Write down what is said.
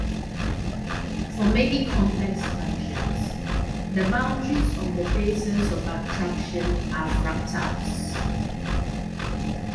For many complex functions, the boundaries of the basins of attraction are fractals.